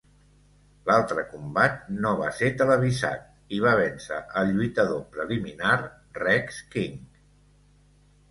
L'altre combat no va ser televisat, i va vèncer el lluitador preliminar, Rex King.